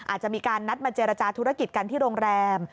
อาจจะมีการนัดมาเจรจาธุรกิจกันที่โรงแรม